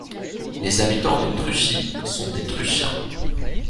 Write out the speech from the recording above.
Les habitants de Trucy sont des Trucyens.